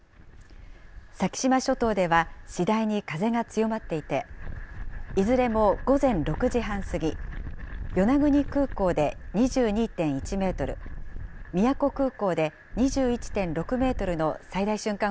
先島諸島では次第に風が強まっていて、いずれも午前６時半過ぎ、与那国空港で２２．１メートル、宮古空港で２１．６メートルの最大瞬間